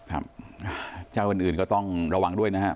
ครับเจ้าอื่นก็ต้องระวังด้วยนะครับ